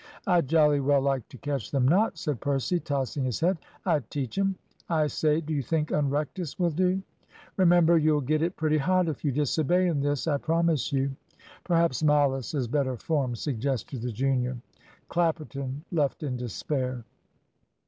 "I'd jolly well like to catch them not," said Percy, tossing his head: "I'd teach 'em. I say, do you think `unrectus' will do?" "Remember, you'll get it pretty hot if you disobey in this, I promise you." "Perhaps `malus' is better form," suggested the junior. Clapperton left in despair.